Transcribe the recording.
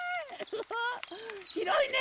ひろいね！